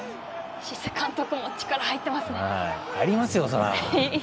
シセ監督も力が入っていますね。